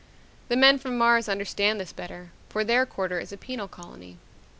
The men from Mars understand this better, for their quarter is a penal colony.